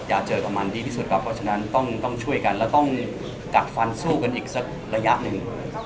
เจอกับมันดีที่สุดครับเพราะฉะนั้นต้องช่วยกันแล้วต้องกัดฟันสู้กันอีกสักระยะหนึ่ง